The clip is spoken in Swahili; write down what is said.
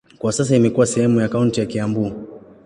Kwa sasa imekuwa sehemu ya kaunti ya Kiambu.